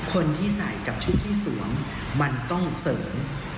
คนที่ใส่กับชุดที่สวมมันต้องเสริม